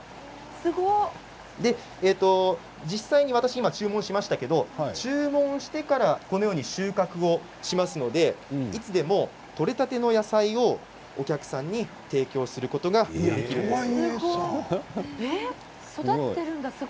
実際に私、今、注文しましたけど注文してから、このように収穫をしますのでいつでも取れたての野菜をお客さんに提供することができるということなんです。